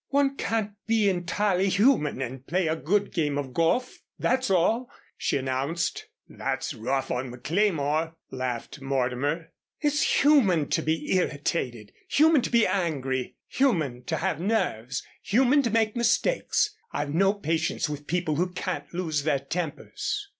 "One can't be entirely human and play a good game of golf, that's all," she announced. "That's rough on McLemore," laughed Mortimer. "It's human to be irritated, human to be angry, human to have nerves, human to make mistakes. I've no patience with people who can't lose their tempers."